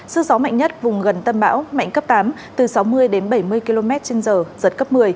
sức gió mạnh nhất vùng gần tâm bão mạnh cấp tám từ sáu mươi đến bảy mươi km trên giờ giật cấp một mươi